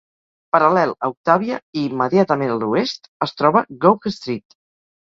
Paral·lel a Octavia i immediatament a l'oest, es troba Gough Street.